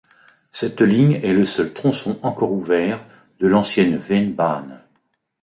Cette ligne est le seul tronçon encore ouvert de l'ancienne Vennbahn.